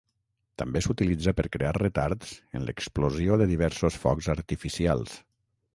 També s'utilitza per crear retards en l'explosió de diversos focs artificials.